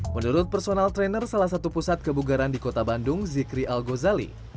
menurut personal trainer salah satu pusat kebugaran di kota bandung zikri al gozali